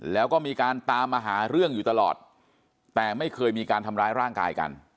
แล้วก็มีการตามมาหาเรื่องอยู่ตลอดแต่ไม่เคยมีการทำร้ายร่างกายกัน